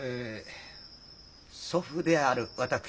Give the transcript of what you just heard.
祖父である私